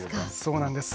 そうなんです。